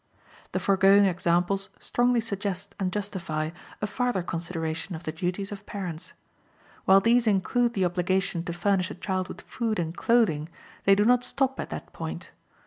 The foregoing examples strongly suggest and justify a farther consideration of the duties of parents. While these include the obligation to furnish a child with food and clothing, they do not stop at that point.